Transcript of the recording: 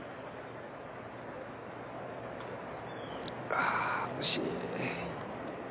あ、惜しい。